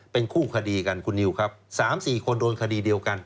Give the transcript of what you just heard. เป็นคู่คดีกันคุณนิวครับ๓๔คนโดนคดีเดียวกัน